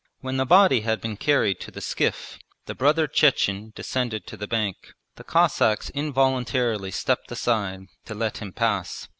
When the body had been carried to the skiff the brother Chechen descended to the bank. The Cossacks involuntarily stepped aside to let him pass.